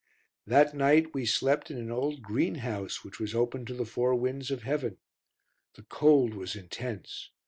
That night we slept in an old greenhouse which was open to the four winds of heaven. The cold was intense.